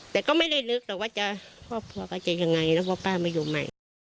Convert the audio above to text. แต่ก็ไม่ได้นึกหรอกว่าจะพ่อพ่อก็จะยังไงนะพ่อป้ามาอยู่ใหม่